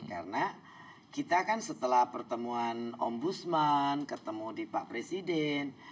karena kita kan setelah pertemuan om busman ketemu di pak presiden